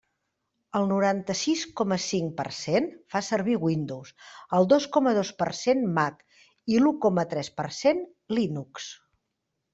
El noranta-sis coma cinc per cent fa servir Windows, el dos coma dos per cent Mac i l'u coma tres per cent Linux.